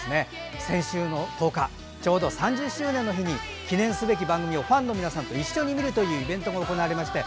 先週の１０日ちょうど３０周年の日に記念すべき番組をファンの皆さんと一緒に見るというイベントが行われました。